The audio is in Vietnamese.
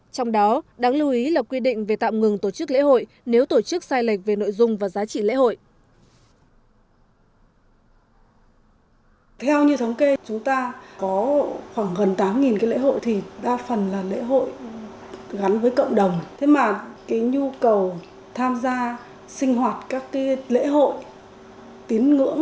trong đó đáng lưu ý là quy định về tạm ngừng tổ chức lễ hội nếu tổ chức sai lệch về nội dung và giá trị lễ hội